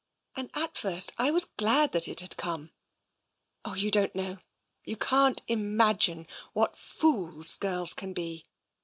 And at first I was glad that it had come. Oh, you don't know, you can't imagine, what fools girls can be.